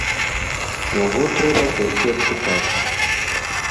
Яго трэба толькі адшукаць.